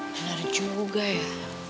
bener juga ya